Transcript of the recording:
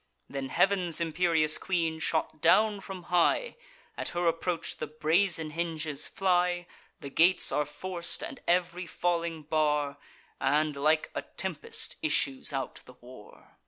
Then heav'n's imperious queen shot down from high: At her approach the brazen hinges fly; The gates are forc'd, and ev'ry falling bar; And, like a tempest, issues out the war.